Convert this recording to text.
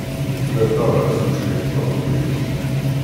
Kkateɣ ɣef tutlayt taqbaylit.